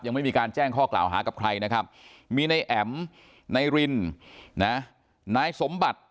ยังไม่มีการแจ้งข้อกล่าวหากับใครนะครับมีนายแอ๋มนายรินนะนายสมบัติ